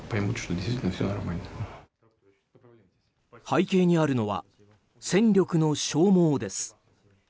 背景にあるのは戦力の消耗です。